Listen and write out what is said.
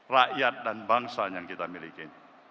rakyat dan bangsa yang kita miliki